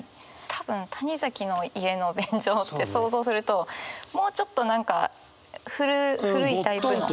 多分谷崎の家の便所って想像するともうちょっと何か古いタイプの。